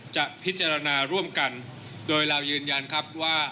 จะพิจารณาร่วมกันโดยเรายืนยันครับว่า